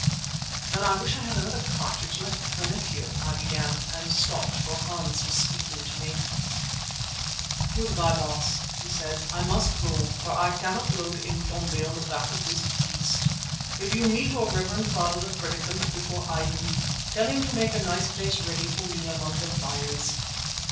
"Then I wish I had another cartridge left for the nephew," I began and stopped, for Hans was speaking to me. "Good bye, Baas," he said, "I must go, for I cannot load 'Intombi' on the back of this beast. If you meet your reverend father the Predikant before I do, tell him to make a nice place ready for me among the fires."